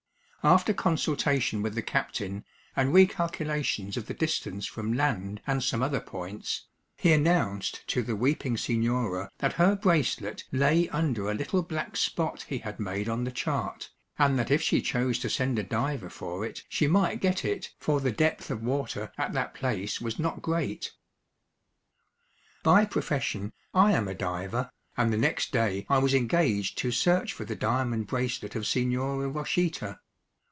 After consultation with the captain and recalculations of the distance from land and some other points, he announced to the weeping signora that her bracelet lay under a little black spot he had made on the chart, and that if she chose to send a diver for it she might get it, for the depth of water at that place was not great. By profession I am a diver, and the next day I was engaged to search for the diamond bracelet of Signora Rochita.